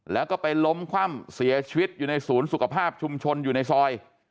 แล้วก็ไปล้มคว่ำเสียชีวิตอยู่ในศูนย์สุขภาพชุมชนอยู่ในซอย